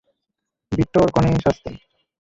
বিট্টোর কনে সাজতে।